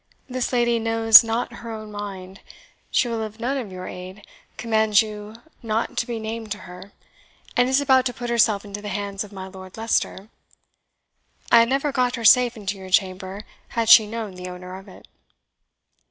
This lady knows not her own mind she will have none of your aid commands you not to be named to her and is about to put herself into the hands of my Lord Leicester. I had never got her safe into your chamber, had she known the owner of it."